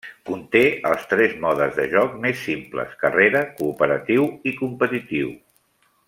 Conté els tres modes de joc més simples: carrera, cooperatiu i competitiu.